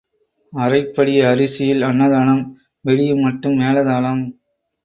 அரைப்படி அரிசியில் அன்னதானம் விடியும் மட்டும் மேளதாளம்.